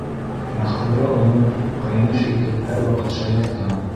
Мәғфүрә уны ҡәйнеш итеп һәр ваҡыт шаярта.